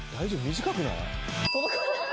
短くない？